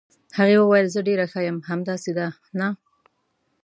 هغې وویل: زه ډېره ښه یم، همداسې ده، نه؟